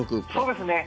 そうですね。